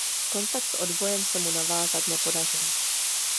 Kontakt s odbojem se mu navázat nepodařilo.